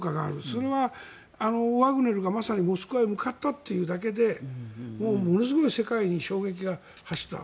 それはワグネルがまさにモスクワへ向かったというだけでものすごい世界に衝撃が走った。